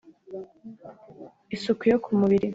isuku yo ku mubiri